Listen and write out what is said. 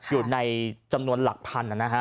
อยู่ในจำนวนหลักพันธุ์นะฮะ